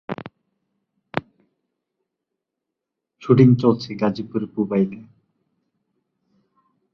Shooting চলছে গাজীপুরের পুবাইলে।